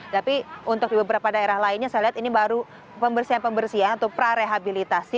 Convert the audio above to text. tapi untuk beberapa daerah lainnya saya lihat ini baru pembersihan pembersihan atau pra rehabilitasi